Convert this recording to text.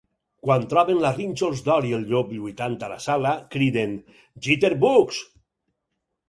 Quan troben la Rínxols d'or i el llop lluitant a la sala, criden "Jitterbugs!"